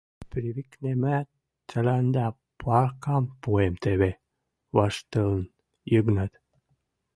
— Привикнемӓт, тӓлӓндӓ паркам пуэм теве! — ваштылын Йыгнат.